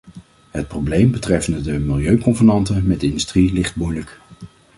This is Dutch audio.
Het probleem betreffende de milieuconvenanten met de industrie ligt moeilijk.